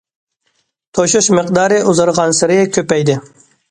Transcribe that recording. توشۇش مىقدارى ئۇزارغانسېرى كۆپەيدى.